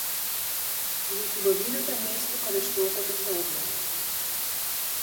Бидејќи убавината е место каде што окото се одмора.